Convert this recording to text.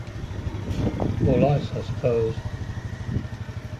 Or lice, I suppose.